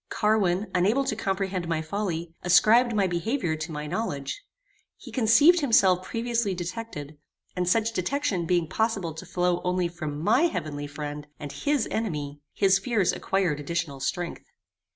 Carwin, unable to comprehend my folly, ascribed my behaviour to my knowledge. He conceived himself previously detected, and such detection being possible to flow only from MY heavenly friend, and HIS enemy, his fears acquired additional strength.